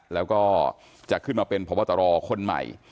แล้วก็จะขึ้นมาเป็นพบตรคนใหม่